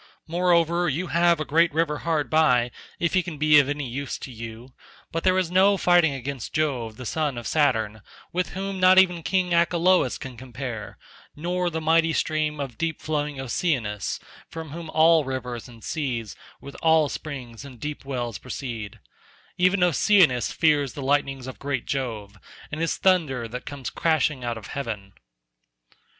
Moreover you have a great river hard by if he can be of any use to you, but there is no fighting against Jove the son of Saturn, with whom not even King Achelous can compare, nor the mighty stream of deep flowing Oceanus, from whom all rivers and seas with all springs and deep wells proceed; even Oceanus fears the lightnings of great Jove, and his thunder that comes crashing out of heaven."